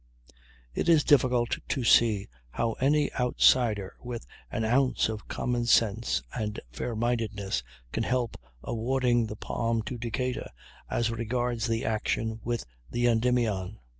It is difficult to see how any outsider with an ounce of common sense and fairmindedness can help awarding the palm to Decatur, as regards the action with the Endymion.